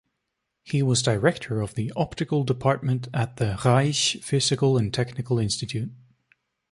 He was director of the optical department at the Reich Physical and Technical Institute.